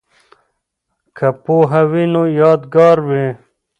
که پوهه وي نو یادګار وي.